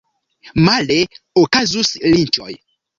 Male okazus linĉoj.